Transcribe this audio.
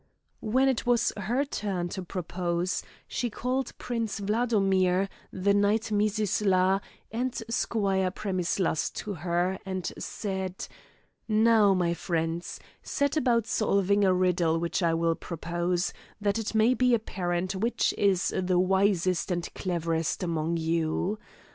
When it was her turn to propose, she called Prince Wladomir, the Knight Mizisla, and Squire Premislas to her, and said: "Now, my friends, set about solving a riddle, which I will propose, that it may be apparent which is the wisest and cleverest among you.